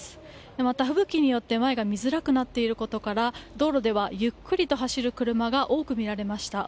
また、吹雪によって前が見づらくなっていることから道路ではゆっくりと走る車が多くみられました。